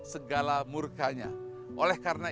segala murkanya oleh karena